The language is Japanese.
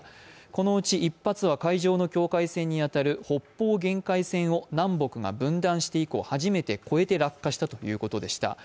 このうち１発は海上の境界線に当たる北方分断線を初めて超えて落下したということでした。